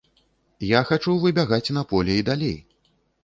Я хачу выбягаць на поле і далей.